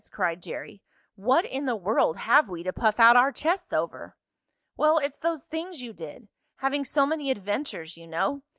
cried Jerry. "What in the world have we to puff out our chests over?" "Well, it's those things you did having so many adventures you know.